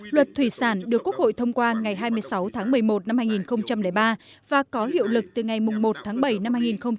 luật thủy sản được quốc hội thông qua ngày hai mươi sáu tháng một mươi một năm hai nghìn ba và có hiệu lực từ ngày một tháng bảy năm hai nghìn một mươi chín